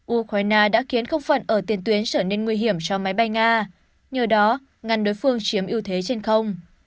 ukraine đã khiến không phận ở tiền tuyến trở nên nguy hiểm cho máy bay nga nhờ đó ngăn đối phương chiếm ưu thế trên không